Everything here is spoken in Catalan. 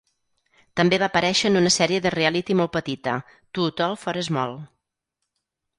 També va aparèixer en una sèrie de reality molt petita, "Too Tall For Small".